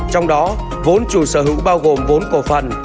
trong đó vốn chủ sở hữu bao gồm vốn cổ phần